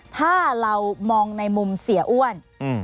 ถ้าเรามองในมุมเสียอ้วน